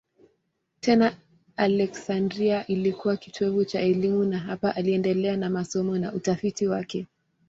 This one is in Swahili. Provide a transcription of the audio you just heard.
Tena Aleksandria ilikuwa kitovu cha elimu na hapa aliendelea na masomo na utafiti wake.